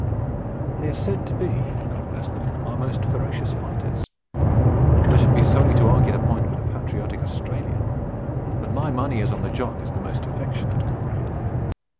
They are said to be (God bless them!) our most ferocious fighters. I should be sorry to argue the point with a patriotic Australian; but my money is on the Jock as the most affectionate comrade.